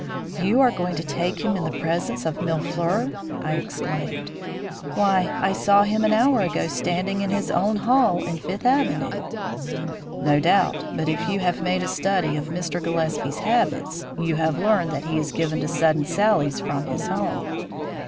"You are going to take him in the presence of Mille fleurs!" I exclaimed. "Why, I saw him an hour ago standing in his own hall in Fifth Avenue." "No doubt, but if you have made a study of Mr. Gillespie's habits, you have learned that he is given to sudden sallies from his home.